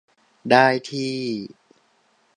ได้ที่